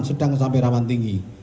sedang sampai rawan tinggi